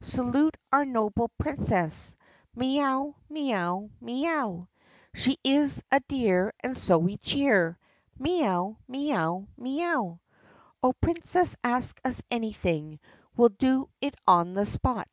Salute our nohle Princess! Mee ow! mee ow! mee ow! She is a dear and so we cheer Mee ow! mee ow! mee ow! Oh, Princess, ask us anything; We 'll do it on the spot!